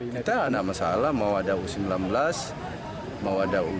kita ada masalah mau ada u sembilan belas mau ada u dua puluh tiga